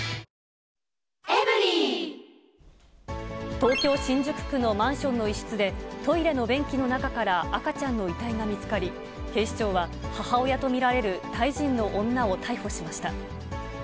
東京・新宿区のマンションの一室で、トイレの便器の中から赤ちゃんの遺体が見つかり、警視庁は、母親と見られるタイ人の女を逮捕しました。